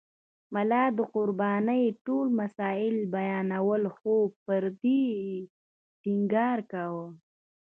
ملا د قربانۍ ټول مسایل بیانول خو پر دې یې ټینګار کاوه.